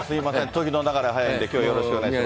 時の流れは早いんで、きょうはよろしくお願いします。